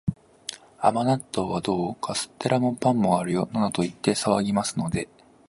甘納豆はどう？カステラも、パンもあるよ、などと言って騒ぎますので、